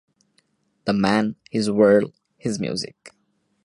The Man, His World, His Music.